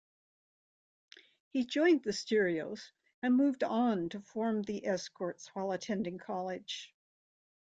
He joined The Stereos, and moved on to form The Escorts, while attending college.